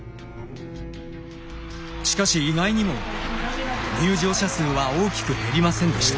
しかし意外にも入場者数は大きく減りませんでした。